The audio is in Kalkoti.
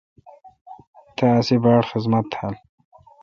تا اسی باڑ خذمت تھال۔